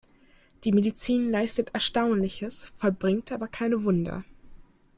Die Medizin leistet Erstaunliches, vollbringt aber keine Wunder.